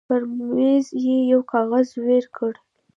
پر مېز يې يو کاغذ وېړ کړ.